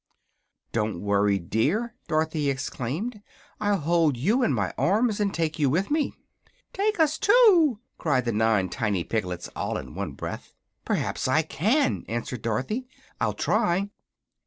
"Don't worry, dear," Dorothy exclaimed, "I'll hold you in my arms, and take you with me." "Take us, too!" cried the nine tiny piglets, all in one breath. "Perhaps I can," answered Dorothy. "I'll try."